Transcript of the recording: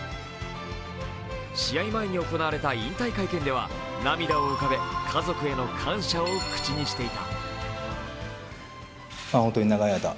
試合前に行われた引退会見では涙を浮かべ、家族への感謝を口にしていた。